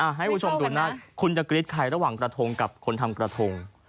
ให้คุณผู้ชมดูนะคุณจะกรี๊ดใครระหว่างกระทงกับคนทำกระทง